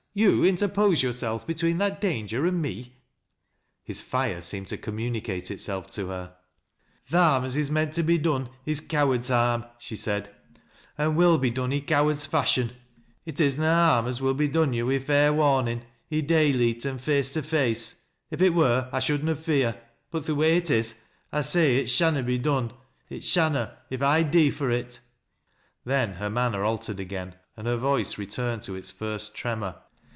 " You interpose yourselJ between that danger and me !" His fire seemed to communicate itself to her. " Th' harm as is meant to be done, is coward's harm,' she said, " an' will be done i' coward's fashion — it is na a harm as will be done yo' wi' fair warnin', i' dayleet, an' face to face. If it wur, I should na fear — but th' way i1 is, I say it shanna be done — it shanna, if I dee fur it !" Then her manner altered again, and her voice returned to its first tremor.